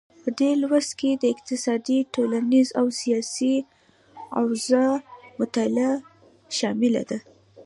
په دې لوست کې د اقتصادي، ټولنیزې او سیاسي اوضاع مطالعه شامله ده.